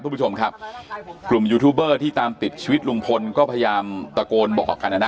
คุณผู้ชมครับกลุ่มยูทูบเบอร์ที่ตามติดชีวิตลุงพลก็พยายามตะโกนบอกกันนะนะ